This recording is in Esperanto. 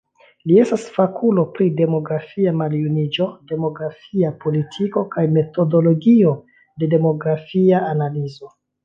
Li estas fakulo pri demografia maljuniĝo, demografia politiko kaj metodologio de demografia analizo.